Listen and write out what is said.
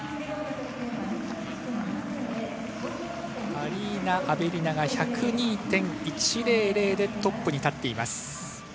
アリーナ・アベリナが１０２．１００でトップに立っています。